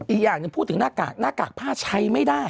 อีกอย่างหนึ่งพูดถึงหน้ากากหน้ากากผ้าใช้ไม่ได้